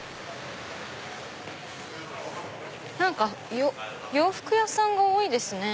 何か洋服屋さんが多いですね。